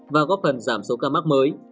và góp phần giảm số ca mắc mới